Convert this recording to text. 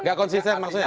tidak konsisten maksudnya